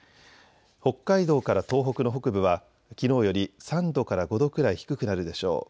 北海道から東北の北部はきのうより３度から５度くらい低くなるでしょう。